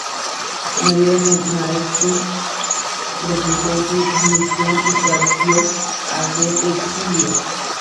María de Maeztu presentó su dimisión y partió hacia el exilio.